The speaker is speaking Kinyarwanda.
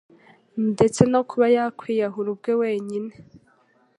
ndetse no kuba yakwiyahura."ubwewenyine